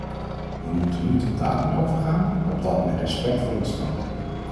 We moeten nu tot daden overgaan, opdat men respect voor ons toont.